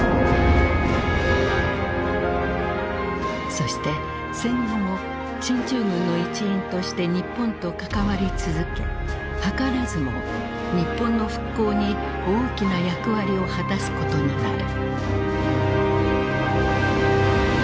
そして戦後も進駐軍の一員として日本と関わり続け図らずも日本の復興に大きな役割を果たすことになる。